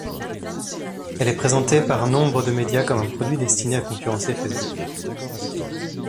Elle est présentée par nombre de médias comme un produit destiné à concurrencer Facebook.